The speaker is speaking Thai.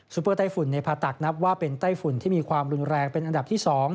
เปอร์ไต้ฝุ่นในพาตักนับว่าเป็นไต้ฝุ่นที่มีความรุนแรงเป็นอันดับที่๒